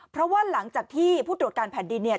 เพราะว่าหลังจากที่ผู้ตรวจการแผ่นดินเนี่ย